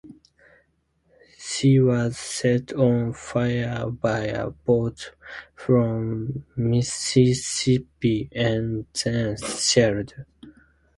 She was set on fire by a boat from "Mississippi", and then shelled.